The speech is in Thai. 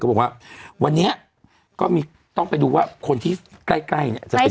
ก็บอกว่าวันนี้ก็ต้องไปดูว่าคนที่ใกล้จะเป็นยังไง